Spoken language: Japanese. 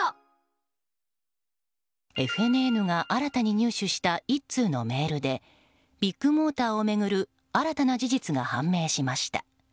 ＦＮＮが新たに入手した１通のメールでビッグモーター巡る新たな事実が判明しました。